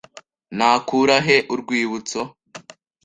Nakura he urwibutso? (